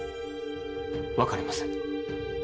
わかりません。